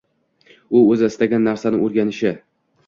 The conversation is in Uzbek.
U o’zi istagan narsani o’rganishi